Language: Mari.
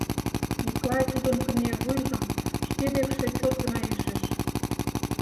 Миклай тудын кынервуйжым шке декше чот гына ишыш.